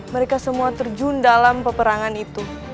mereka semua terjun dalam peperangan itu